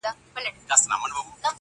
دا نجلۍ د دې د هر پرهر گنډونکي ده,